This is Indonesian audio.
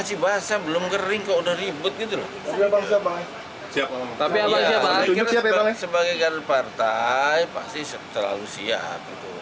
sebagai karir partai pasti terlalu siap